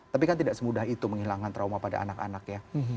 tapi kan tidak semudah itu menghilangkan trauma pada anak anak ya